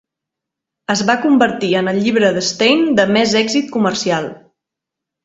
Es va convertir en el llibre d'Stein de més èxit comercial.